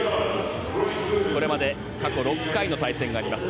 これまで過去６回の対戦があります。